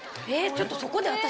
ちょっとそこで私。